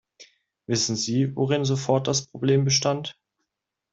Wissen Sie, worin sofort das Problem bestand?